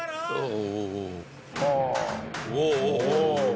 おお！